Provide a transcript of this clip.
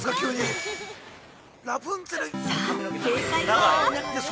◆さあ、正解は？